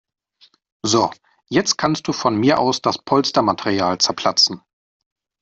So, jetzt kannst du von mir aus das Polstermaterial zerplatzen.